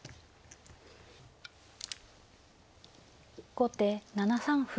後手７三歩。